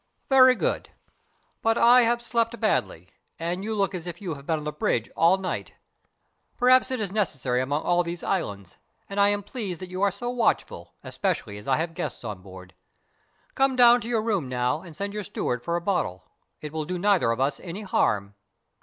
"Very good: but I have slept badly, and you look as if you had been on the bridge all night. Perhaps it is necessary among all these islands, and I am pleased that you are so watchful, especially as I have guests on board. Come down to your room now and send your steward for a bottle. It will do neither of us any harm."